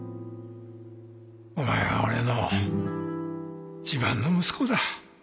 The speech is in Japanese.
お前は俺の自慢の息子だ。